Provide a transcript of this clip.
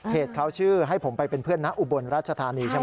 เขาชื่อให้ผมไปเป็นเพื่อนนะอุบลราชธานีใช่ไหม